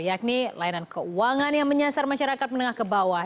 yakni layanan keuangan yang menyasar masyarakat menengah ke bawah